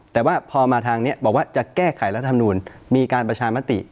แต่ว่าพอมาทางนี้บอกว่าจะแก้ไขรัฐธรรมนูลมีการประชามติ